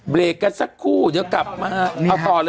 พี่ปั๊ดเดี๋ยวมาที่ร้องให้